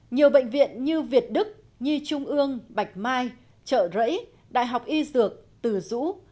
nhiều bệnh viện như việt đức nhi trung ương bạch mai trợ rẫy đại học y dược từ dũ